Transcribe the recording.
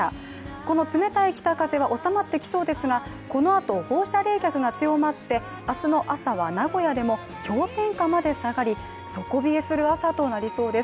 この冷たい北風は収まってきそうですがこのあと放射冷却が強まって明日の朝は名古屋でも氷点下まで下がり、底冷えする朝となりそうです。